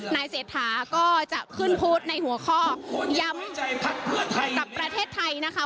นายเศรษฐาก็จะขึ้นพูดในหัวข้อย้ำกับประเทศไทยนะคะ